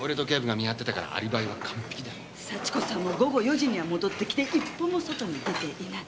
幸子さんも午後４時には戻ってきて一歩も外に出ていない。